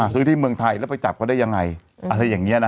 ซื้อที่เมืองไทยแล้วไปจับเขาได้ยังไง